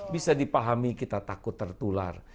bisa dipahami kita takut tertular